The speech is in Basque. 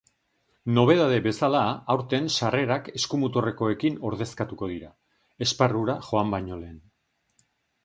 Nobedade bezala, aurten sarrerak eskumuturrekoekin ordezkatuko dira, esparrura joan baino lehen.